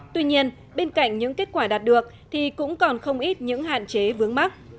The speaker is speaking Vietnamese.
tuy nhiên bên cạnh những kết quả đạt được thì cũng còn không ít những hạn chế vướng mắt